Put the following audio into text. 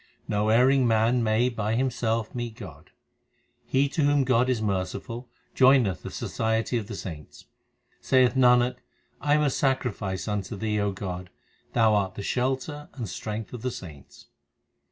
No erring man may by himself meet God. He to whom God is merciful joineth the society of the saints. Saith Nanak, I am a sacrifice unto Thee, O God ; Thou art the shelter and strength of the saints.